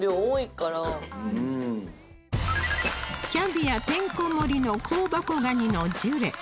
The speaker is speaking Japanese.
キャビアてんこ盛りの香箱がにのジュレ